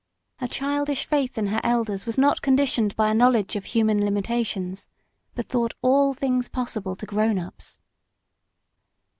Her childish faith in her elders was not conditioned by a knowledge of human limitations, but thought all things possible to grown ups.